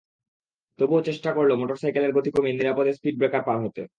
তবুও চেষ্টা করল মোটরসাইকেলের গতি কমিয়ে নিরাপদে স্পিড ব্রেকার পার হতে।